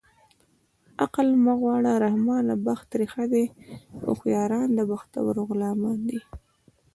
عقل مه غواړه رحمانه بخت ترې ښه دی هوښیاران د بختورو غلامان دي